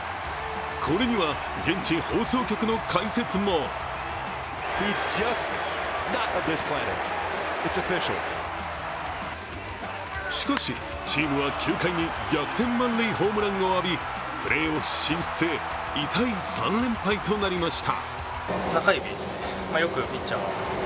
これには、現地、放送局の解説もしかし、チームは９回に逆転満塁ホームランを浴びプレーオフ進出へ痛い３連敗となりました。